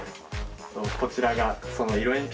こちらがそのえ